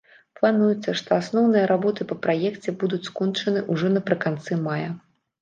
Плануецца, што асноўныя работы па праекце будуць скончаныя ўжо напрыканцы мая.